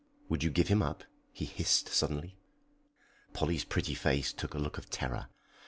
"Would you give him up?" he hissed suddenly. Polly's pretty face took a look of terror.